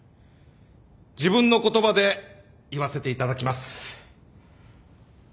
自分の言葉で言わせていただきます。